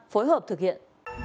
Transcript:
phối hợp thực hiện